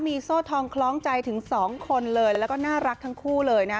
มีโซ่ทองคล้องใจถึงสองคนเลยแล้วก็น่ารักทั้งคู่เลยนะ